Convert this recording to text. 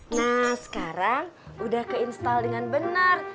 nah sekarang udah keinstall dengan benar